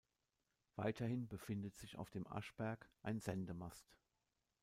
Weiterhin befindet sich auf dem Aschberg ein Sendemast.